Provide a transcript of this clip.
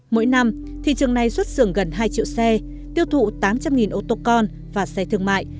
mỗi năm thị trường này xuất xưởng gần hai triệu xe tiêu thụ tám trăm linh ô tô con và xe thương mại